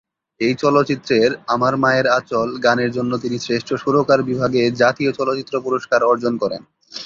এই চলচ্চিত্রের "আমার মায়ের আঁচল" গানের জন্য তিনি শ্রেষ্ঠ সুরকার বিভাগে জাতীয় চলচ্চিত্র পুরস্কার অর্জন করেন।